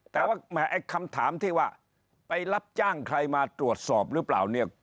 แต่ว่าแหมไอ้คำถามที่ว่าไปรับจ้างใครมาตรวจสอบหรือเปล่าเนี่ย